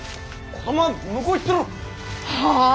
子供は向こう行ってろ！はあ？